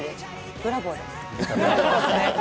ブラボーです。